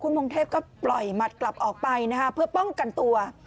พงเทพก็ปล่อยหมัดกลับออกไปนะคะเพื่อป้องกันตัว